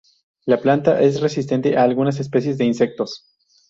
La planta es resistente a algunas especies de insectos.